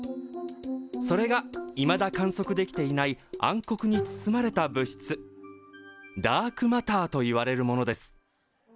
それがいまだ観測できていない暗黒に包まれた物質ダークマターといわれるものです。